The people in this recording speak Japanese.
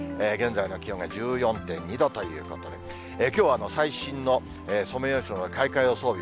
現在の気温が１４．２度ということで、きょうは最新のソメイヨシノの開花予想